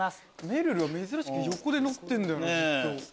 めるるが珍しく横でノッてんだよな。